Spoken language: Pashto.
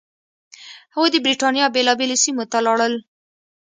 هغوی د برېټانیا بېلابېلو سیمو ته لاړل.